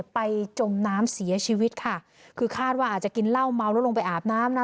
จมน้ำเสียชีวิตค่ะคือคาดว่าอาจจะกินเหล้าเมาแล้วลงไปอาบน้ำนะ